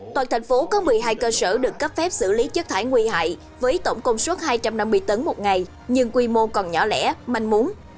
toàn thành phố có một mươi hai cơ sở được cấp phép xử lý chất thải nguy hại với tổng công suất hai trăm năm mươi tấn một ngày nhưng quy mô còn nhỏ lẻ manh muốn